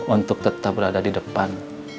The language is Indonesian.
untuk tetap berada di depan